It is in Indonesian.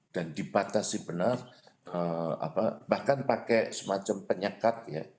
dan dibatasi benar bahkan pakai semacam penyekat